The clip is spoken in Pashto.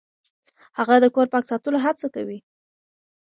هغه د کور پاک ساتلو هڅه کوي.